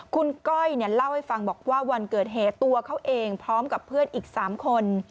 คุณก้อยเล่าให้ฟังบอกว่าวันเกิดเหตุตัวเขาเองพร้อมกับเพื่อนอีก๓คน